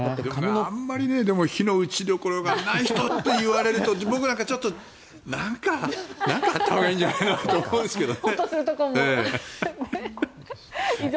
あまり非の打ち所がない人といわれると僕なんかはちょっと何かあったほうがいいんじゃないのって思うんですけどね。